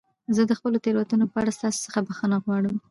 زه د خپلو تېروتنو په اړه ستاسي څخه بخښنه غواړم.